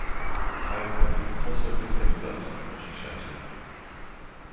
How can you possibly think that? she shouted